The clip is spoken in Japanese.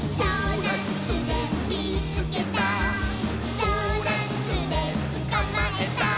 「ドーナツでつかまえた！」